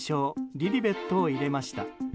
リリベットを入れました。